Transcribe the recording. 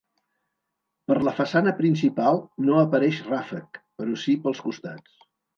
Per la façana principal no apareix ràfec, però sí pels costats.